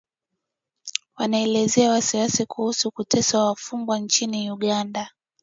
Wanaelezea wasiwasi kuhusu kuteswa wafungwa nchini Uganda